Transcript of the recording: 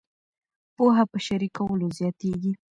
پوهه په شریکولو زیاتیږي.